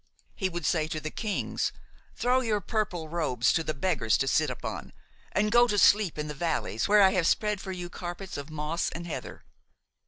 He would say to the kings: 'Throw your purple robes to the beggars to sit upon, and go to sleep in the valleys where I have spread for you carpets of moss and heather.'